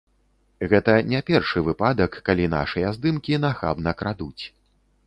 Гэта не першы выпадак, калі нашыя здымкі нахабна крадуць.